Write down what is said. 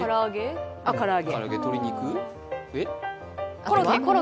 唐揚げ、鶏肉？